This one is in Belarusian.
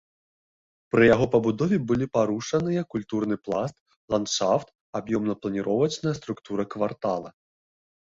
Пры яго пабудове былі парушаныя культурны пласт, ландшафт, аб'ёмна-планіровачная структура квартала.